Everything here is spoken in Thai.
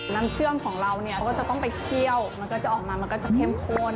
น้ำเชื่อมของเราเนี่ยก็จะต้องไปเคี่ยวมันก็จะออกมามันก็จะเข้มข้น